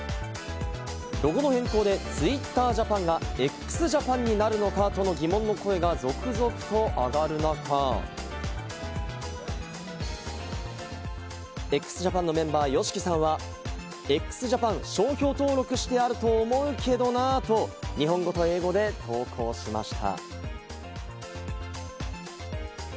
ロゴの変更でＴｗｉｔｔｅｒＪａｐａｎがＸＪＡＰＡＮになるのか？との疑問の声が続々と上がる中、ＸＪＡＰＡＮのメンバーＹＯＳＨＩＫＩさんは、「＃ＸＪＡＰＡＮ商標登録してあると思うけどな」と、日本語と英語で投稿しました。